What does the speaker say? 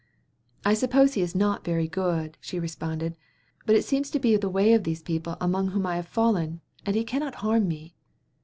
"I suppose he is not very good," she responded, "but it seems to be the way of these people among whom I have fallen, and he cannot harm me."